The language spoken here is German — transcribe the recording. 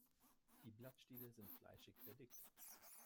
Die Blattstiele sind fleischig verdickt.